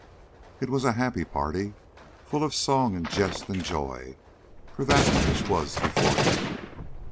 It was a happy party, full of song and jest and joy for that which was before them.